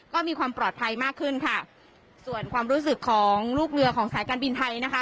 ก็มีความปลอดภัยมากขึ้นค่ะส่วนความรู้สึกของลูกเรือของสายการบินไทยนะคะ